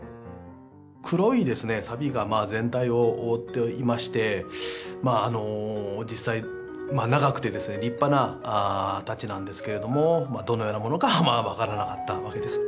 黒いさびが全体を覆っていまして実際長くてですね立派な太刀なんですけれどもどのようなものかは分からなかったわけです。